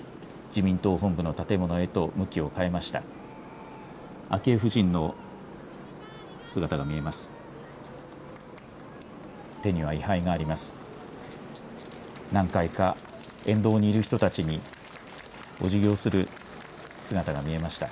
自民党本部の建物へと向きを変えました。